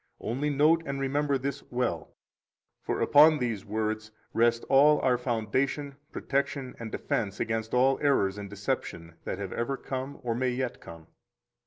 19 Only note and remember this well; for upon these words rest all our foundation, protection, and defense against all errors and deception that have ever come or may yet come.